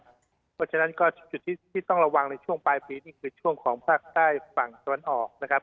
เพราะฉะนั้นก็จุดที่ต้องระวังในช่วงปลายปีนี่คือช่วงของภาคใต้ฝั่งตะวันออกนะครับ